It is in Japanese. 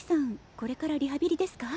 これからリハビリですか？